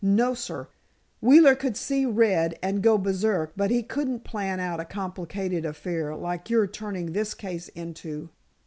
No, sir! Wheeler could see red, and go Berserk, but he couldn't plan out a complicated affair like you're turning this case into!"